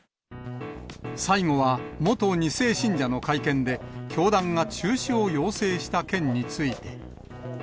最後は元２世信者の会見で、教団が中止を要請した件について。